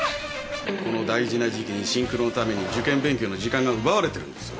この大事な時期にシンクロのために受験勉強の時間が奪われてるんですよ。